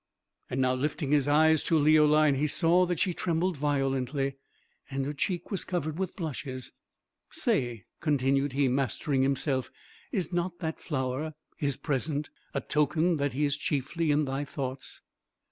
And now lifting his eyes to Leoline, he saw that she trembled violently, and her cheek was covered with blushes. "Say," continued he, mastering himself; "is not that flower (his present) a token that he is chiefly in thy thoughts?"